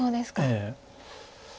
ええ。